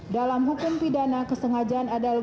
dalam hukum pidana kesengajaan adalah